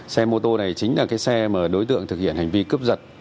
xe mô tô này chính là cái xe mà đối tượng thực hiện hành vi cướp giật